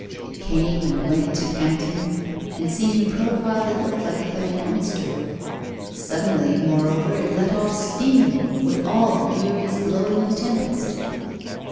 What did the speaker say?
It came and went, panting; and seen in profile it looked like a heavy monster. Suddenly, moreover, it let off steam, with all the furious blowing of a tempest.